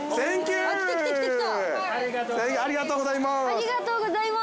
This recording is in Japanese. ありがとうございます。